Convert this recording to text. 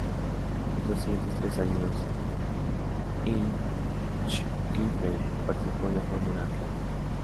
Los dos siguientes tres años, Hinchcliffe participó en la Fórmula Atlantic.